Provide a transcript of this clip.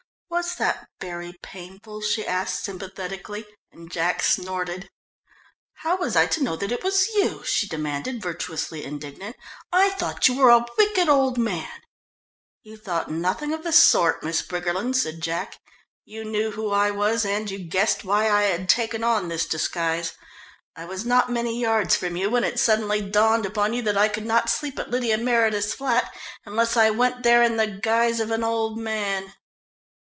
"Was that very painful?" she asked, sympathetically, and Jack snorted. "How was I to know that it was you?" she demanded, virtuously indignant, "I thought you were a wicked old man " "You thought nothing of the sort, Miss Briggerland," said Jack. "You knew who I was, and you guessed why I had taken on this disguise. I was not many yards from you when it suddenly dawned upon you that I could not sleep at Lydia Meredith's flat unless I went there in the guise of an old man."